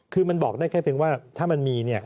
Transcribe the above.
คือมันบอกได้แค่เพียงว่าถ้ามันมี